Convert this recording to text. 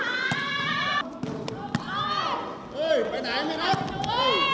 สุดท้ายสุดท้ายสุดท้าย